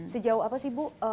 sejauh apa sih bu